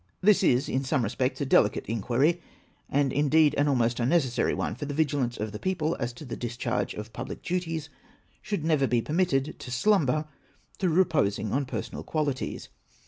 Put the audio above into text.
This is, in some respects, a delicate inquiry, and, indeed, an almost unnecessary one, for the vigilance of the people as to the discharge of public duties should never be permitted to slumber through reposing on personal qualities.